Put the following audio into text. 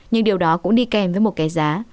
nhưng điều đó cũng đi kèm với một cái giá